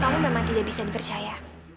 kalau memang tidak bisa dipercaya